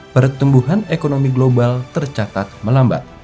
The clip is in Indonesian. pertumbuhan ekonomi global tercatat melambat